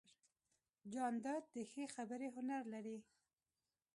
جانداد د ښې خبرې هنر لري.